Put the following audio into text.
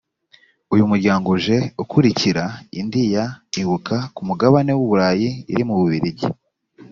uyu muryango uje ukurikira indi ya ibuka ku mugabane w u burayi iri mu bubiligi